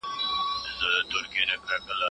څوک د ناکامه په کیږدۍ کې ژوند کوینه